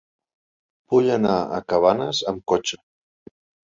Vull anar a Cabanes amb cotxe.